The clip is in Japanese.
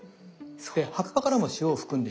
で葉っぱからも塩を含んでいくので。